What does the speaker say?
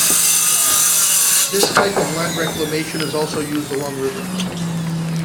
This type of land reclamation is also used along rivers.